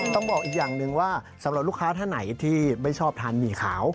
ต้องบอกอีกอย่างหนึ่งว่าสำหรับลูกค้าท่านไหนที่ไม่ชอบทานหมี่ขาว